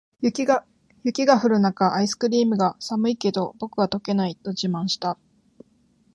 雪が降る中、アイスクリームが「寒いけど、僕は溶けない！」と自慢した。